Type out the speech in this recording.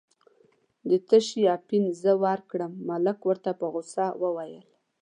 د څه شي اپین زه ورکړم، ملک ورته په غوسه وویل.